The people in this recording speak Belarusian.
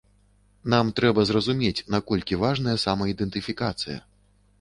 Нам трэба зразумець, наколькі важная самаідэнтыфікацыя.